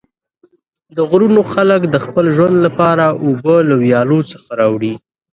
د غرونو خلک د خپل ژوند لپاره اوبه له ویالو څخه راوړي.